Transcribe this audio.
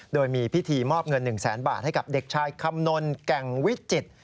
โดยมีพิธีมอบเงิน๑แสนบาทให้กับเด็กชายคำนลแก่งวิจิตร